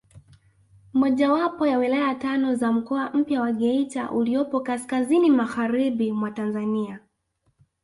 Mojawapo ya wilaya tano za mkoa mpya wa Geita uliopo kaskazini magharibi mwa Tanzania